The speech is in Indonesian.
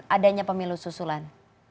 adanya pemilih susulan